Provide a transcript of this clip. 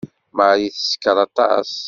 Marie teskeṛ aṭas.